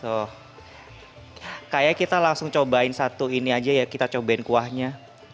tuh kayaknya kita langsung cobain satu ini aja ya kita cobain kuahnya